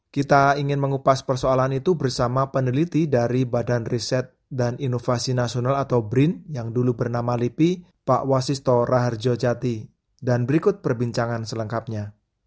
kita ingin mengupas persoalan itu bersama peneliti dari badan riset dan inovasi nasional atau brin yang dulu bernama lipi pak wasisto raharjo jati dan berikut perbincangan selengkapnya